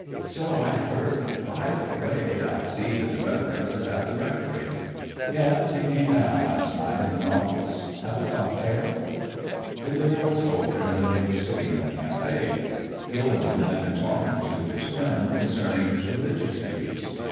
"So I heard. By the way, I see his reverence is at the rectory." "Yes; he came down last night in the Nautilus. Have a cocktail?" The dinner was over and they were sitting in the café. Gilderman had been talking to his friend concerning his religious views.